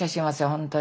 本当に。